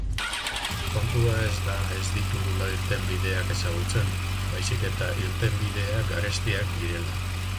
Kontua ez da ez ditugula irtenbideak ezagutzen, baizik eta irtenbideak garestiak direla.